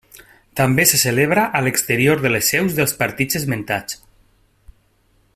També se celebra a l'exterior de les seus dels partits esmentats.